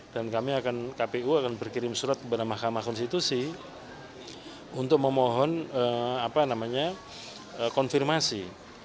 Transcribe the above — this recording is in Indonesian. dan kami akan kpu akan berkirim surat kepada mahkamah konstitusi untuk memohon konfirmasi